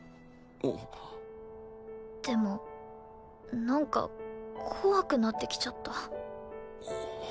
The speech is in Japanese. でもなんか怖くなってきちゃった。